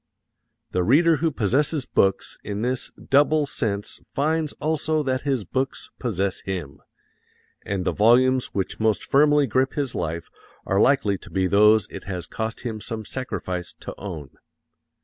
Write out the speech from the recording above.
The reader who possesses books in this double sense finds also that his books possess him, and the volumes which most firmly grip his life are likely to be those it has cost him some sacrifice to own.